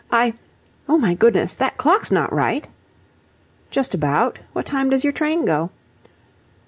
I... oh, my goodness! That clock's not right?" "Just about. What time does your train go?"